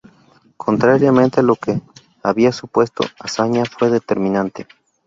Contrariamente a lo que había supuesto Azaña, fue determinante.